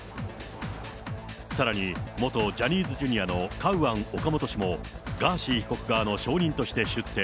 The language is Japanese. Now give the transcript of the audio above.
さらに元ジャニーズＪｒ．のカウアン・オカモト氏も、ガーシー被告側の証人として出廷。